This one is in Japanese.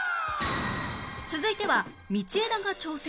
続いては道枝が挑戦